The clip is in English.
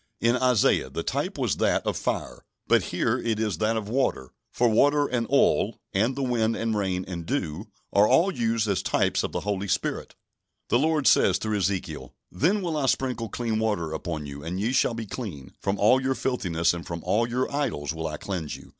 In Isaiah the type was that of fire, but here it is that of water; for water and oil, and the wind and rain and dew, are all used as types of the Holy Spirit. The Lord says, through Ezekiel: "Then will I sprinkle clean water upon you, and ye shall be clean; from all your filthiness, and from all your idols, will I cleanse you.